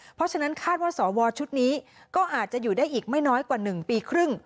เพราะฉะนั้นคาดว่าสวชุดนี้ก็อาจจะอยู่ได้อีกไม่น้อยกว่า๑ปีครึ่ง